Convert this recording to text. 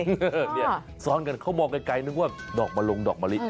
เออซ้อนกันเค้ามองไกลนึกว่าดอกมะลงดอกมะลิ